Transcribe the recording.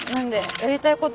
やりたいこと？